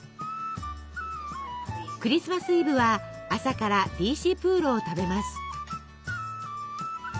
クリスマスイブは朝からリーシプーロを食べます。